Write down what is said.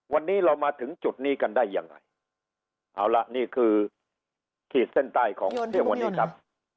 วันนี้เรามาถึงจุดนี้กันได้ยังไงเอาละนี่คือขีดเส้นใต้ของเที่ยงวันนี้ครับ